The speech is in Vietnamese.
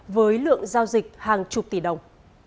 với lượng giao dịch hàng chục tỷ đồng